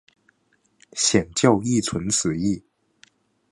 显教亦存此义。